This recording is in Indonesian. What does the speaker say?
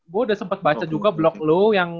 gue udah sempet baca juga blog lo yang lu tulis kan